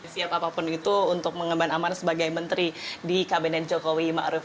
siap apapun itu untuk mengemban aman sebagai menteri di kabinet jokowi ma'ruf